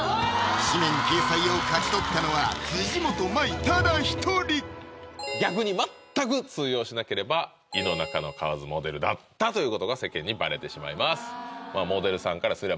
誌面掲載を勝ち取ったのは辻元舞ただ一人逆に全く通用しなければ井の中の蛙モデルだったということが世間にバレてしまいます